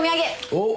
おっ！